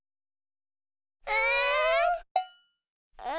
うん！